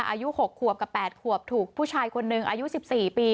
อายุ๖ขวบกับ๘ขวบถูกผู้ชายคนหนึ่งอายุ๑๔ปี